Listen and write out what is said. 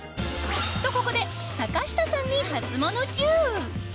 と、ここで坂下さんにハツモノＱ。